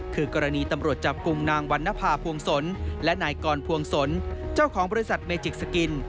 คือกรณีตำรวจจับกลุ่มนางวันนภาพวงศลและนายกรพวงศลเจ้าของบริษัทเมจิกสกิน